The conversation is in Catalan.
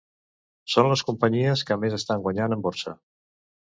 Són les companyies que més estan guanyant en borsa.